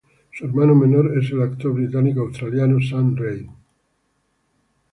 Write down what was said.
Su hermano menor es el actor británico-australiano Sam Reid.